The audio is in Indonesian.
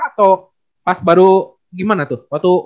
atau pas baru gimana tuh